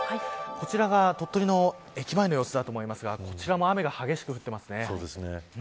こちらが鳥取の駅前の様子だと思いますがこちらも雨が激しく降ってますね。